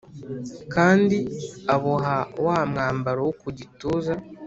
Kandi aboha wa mwambaro wo ku gituza